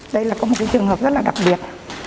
đây là có một cái trường hợp rất là đặc biệt